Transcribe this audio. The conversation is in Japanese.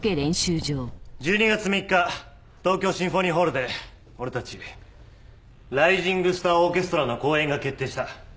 １２月３日東京シンフォニーホールで俺たちライジングスター・オーケストラの公演が決定した。